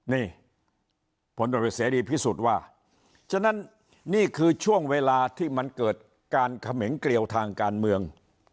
นี่ผลตรวจเสรีพิสุทธิ์ว่าฉะนั้นนี่คือช่วงเวลาที่มันเกิดการเขมงเกลียวทางการเมือง